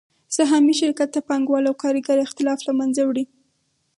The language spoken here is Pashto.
سهامي شرکت د پانګوال او کارګر اختلاف له منځه وړي